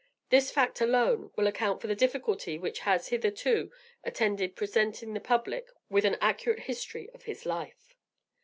This fact, alone, will account for the difficulty which has hitherto attended presenting the public with an accurate history of his life.